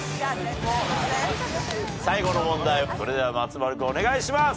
最後の問題をそれでは松丸君お願いします。